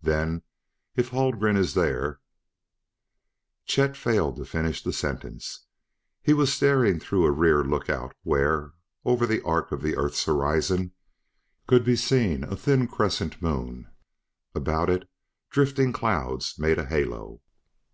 Then, if Haldgren is there " Chet failed to finish the sentence; he was staring through a rear lookout, where, over the arc of the Earth's horizon, could be seen a thin crescent Moon; about it drifting clouds made a halo.